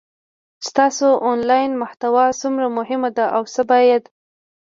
ستاسو انلاین محتوا څومره مهمه ده او څه باید